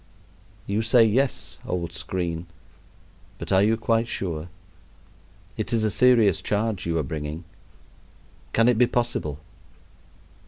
You say "yes," old screen; but are you quite sure? It is a serious charge you are bringing. Can it be possible?